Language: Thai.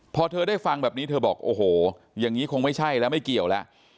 พอเธอได้ฟังแบบนี้เธอบอกโอ้โหอย่างนี้คงไม่ใช่แล้วไม่เกี่ยวแล้ว